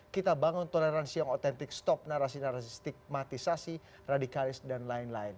kita bangun toleransi yang otentik stop narasi narasi stigmatisasi radikalis dan lain lain